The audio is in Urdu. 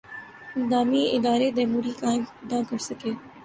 دائمی ادارے تیموری قائم نہ کر سکے۔